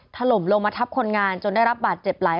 ถล่มลงมาทับคนงานจนได้รับบาดเจ็บหลาย